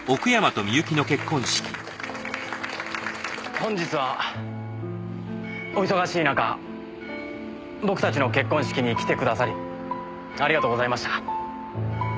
本日はお忙しい中僕たちの結婚式に来てくださりありがとうございました。